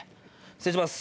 失礼します。